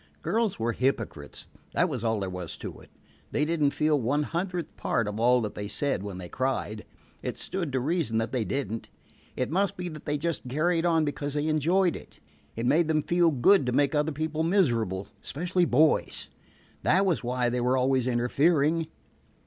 Girls were hypocrites, that was all there was to it. They did n't feel one hundredth part of all that they said when they cried. It stood to reason that they did n't. It must be that they just carried on because they enjoyed it. It made them feel good to make other people miserable, especially boys. That was why they were always interfering.